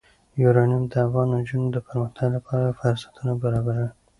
یورانیم د افغان نجونو د پرمختګ لپاره فرصتونه برابروي.